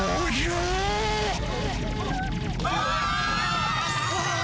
うわ！